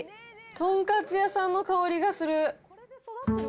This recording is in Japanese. とんかつ屋さんの香りがする。